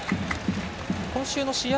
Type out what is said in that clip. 今週の試合